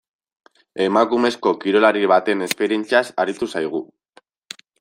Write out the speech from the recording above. Emakumezko kirolari baten esperientziaz aritu zaigu.